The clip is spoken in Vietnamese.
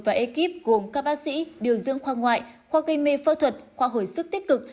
và ekip gồm các bác sĩ điều dưỡng khoa ngoại khoa gây mê phẫu thuật khoa hồi sức tích cực